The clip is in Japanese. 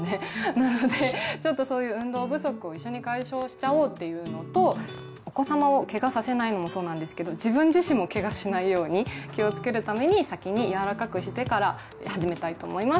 なのでちょっとそういう運動不足を一緒に解消しちゃおうというのとお子様をけがさせないのもそうなんですけど自分自身もけがしないように気をつけるために先に柔らかくしてから始めたいと思います。